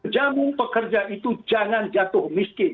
jamu pekerja itu jangan jatuh miskin